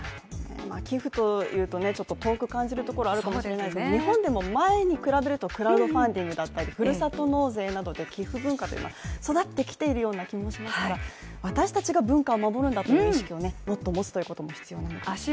寄付というと遠く感じるところがあるように感じますけど、日本でも前に比べるとクラウドファンディングだったりふるさと納税などで寄付文化というのは育っている気もしますから私たちが文化を守るんだという意識を持つのも大事かもしれません。